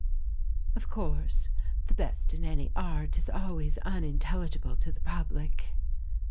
"Of course, the best in any art is always un intelligible to the Public."